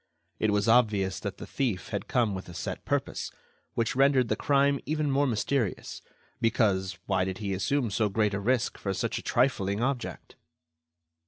It was obvious that the thief had come with a set purpose, which rendered the crime even more mysterious; because, why did he assume so great a risk for such a trifling object?